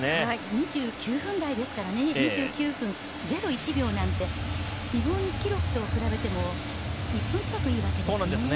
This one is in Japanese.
２９分台ですから２９分０１秒なんて日本記録と比べても１分近くいいわけですよね。